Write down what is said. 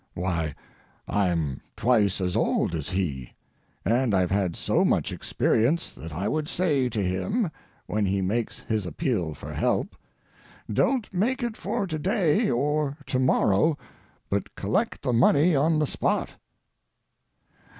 Why, I'm twice as old as he, and I've had so much experience that I would say to him, when he makes his appeal for help: "Don't make it for to day or to morrow, but collect the money on the spot."